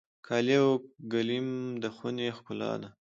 قالي او ګلیم د خونې ښکلا ده.